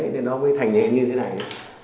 đấy nó mới thành nhện như thế này